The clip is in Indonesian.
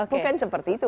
bukan seperti itu